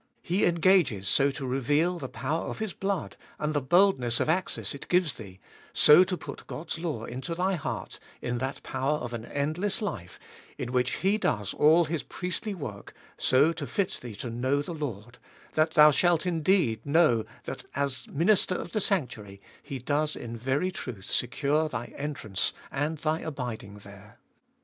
He engages so to reveal the power of His blood and the boldness of access it 270 abe tallest of ail gives thee, so to put God's law into thy heart in that power of an endless life in which He does all His priestly work, so to fit thee to know the Lord, that thou shalt indeed know that as Minister of the sanctuary He does in very truth secure thy entrance and thy abiding there.